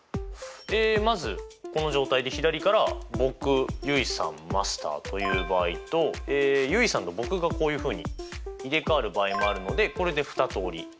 えまずこの状態で左から僕結衣さんマスターという場合と結衣さんと僕がこういうふうに入れ代わる場合もあるのでこれで２通り。